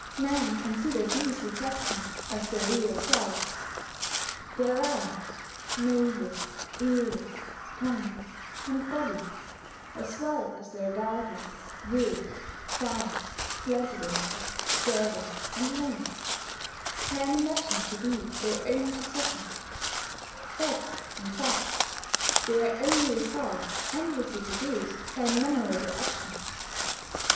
Men consider these reflections as their real selves. Their eyes, noses, ears, tongues, and bodies as well as their gardens, woods, farms, residences, servants, and maids men imagine to be their own possessions; but, in fact, they are only results endlessly produced by innumerable actions.